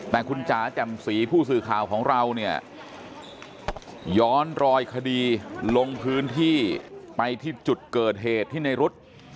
แต่คุณจ๋าแจ่มสีผู้สื่อข่าวของเราเนี่ยย้อนรอยคดีลงพื้นที่ไปที่จุดเกิดเหตุที่ในรุ๊ด